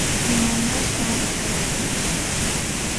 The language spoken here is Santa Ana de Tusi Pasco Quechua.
¿Imanashwan karqan?